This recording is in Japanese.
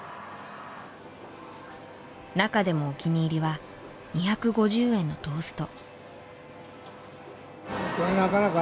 中でもお気に入りは２５０円のトースト。